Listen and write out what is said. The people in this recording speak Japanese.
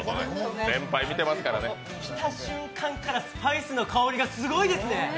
来た瞬間からスパイスの香りがすごいですね。